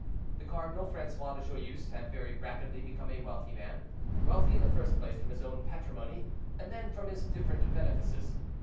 The Cardinal Francois de Joyeuse had very rapidly become a wealthy man, wealthy in the first place from his own patrimony, and then from his different benefices.